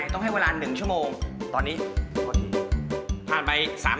ไอ้โต๊ยก็อยู่กับหญิงใช่ไหม